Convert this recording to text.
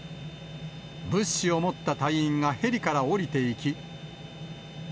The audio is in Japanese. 物資を持った隊員がヘリから降りていき。